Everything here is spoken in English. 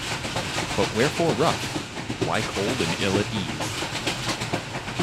But wherefore rough, why cold and ill at ease?